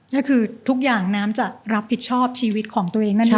ก็คือทุกอย่างน้ำจะรับผิดชอบชีวิตของตัวเองนั่นเอง